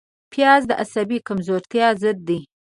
پیاز د عصبي کمزورتیا ضد دی